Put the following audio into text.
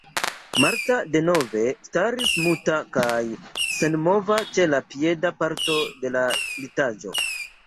Marta denove staris muta kaj senmova ĉe la pieda parto de la litaĵo.